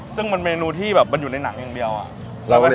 ซึ่งมันเมนูที่แบบมันอยู่ในหนังอย่างเดียวอะ